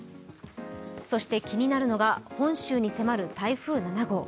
そして、気になるのが本州に迫る台風７号。